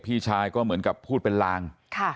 พี่ชายก็เหมือนกับพูดเป็นลาง